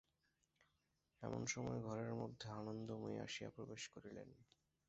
এমন সময় ঘরের মধ্যে আনন্দময়ী আসিয়া প্রবেশ করিলেন।